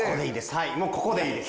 はいもうここでいいです。